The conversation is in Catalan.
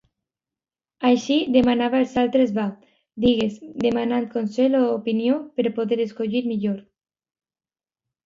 Així, demanava als altres Va, digues, demanant consell o opinió per poder escollir millor.